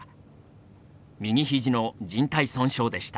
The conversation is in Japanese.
右ひじのじん帯損傷でした。